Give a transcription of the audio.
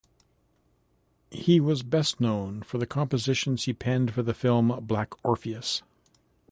He was best known for the compositions he penned for the film "Black Orpheus".